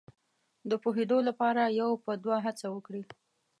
د پوهېدو لپاره یو په دوه هڅه وکړي.